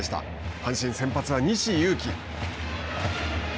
阪神、先発は西勇輝。